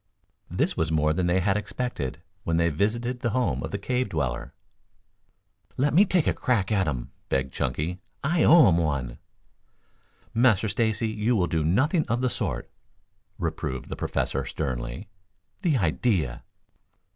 This was more than they had expected when they visited the home of the cave dweller. "Let me take a crack at 'em," begged Chunky. "I owe 'em one." "Master Stacy, you will do nothing of the sort," reproved the Professor sternly. "The idea!"